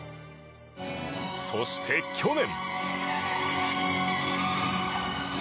そして、去年。